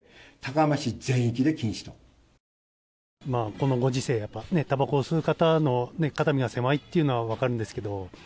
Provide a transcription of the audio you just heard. このご時世ですからたばこを吸う方の肩身が狭いのは分かるんですけど。